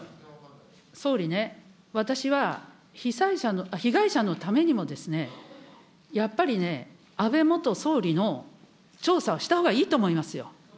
総理ね、私は被害者のためにも、やっぱりね、安倍元総理の調査をしたほうがいいと思いますよ。